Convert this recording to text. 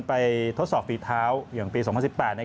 ทดสอบฝีเท้าอย่างปี๒๐๑๘